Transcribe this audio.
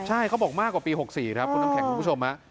ใช่เขาบอกมากกว่าปี๖๔ครับคุณน้ำแข็งคุณผู้ชม